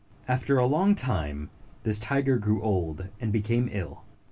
After a long time, this tiger grew old, and became ill.